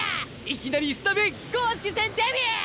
いきなりスタメン公式戦デビュー！